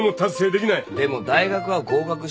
でも大学は合格したろうよ。